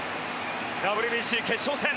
ＷＢＣ決勝戦。